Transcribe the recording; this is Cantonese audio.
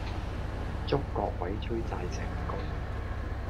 祝各位追債成功